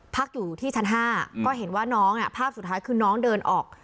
พักอยู่ที่ชั้น๕ก็เห็นว่าน้องภาพสุดท้ายคือน้องเดินออก